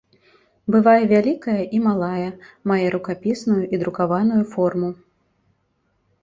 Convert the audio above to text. Бывае вялікая і малая, мае рукапісную і друкаваную форму.